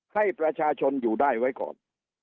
ให้ประชาชนอยู่ได้ไว้ก่อน